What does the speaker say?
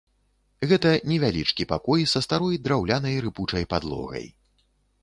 Гэта невялічкі пакой са старой драўлянай рыпучай падлогай.